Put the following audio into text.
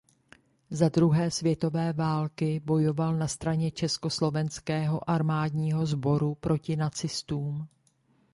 Za druhé světové války bojoval na straně československého armádního sboru proti nacistům.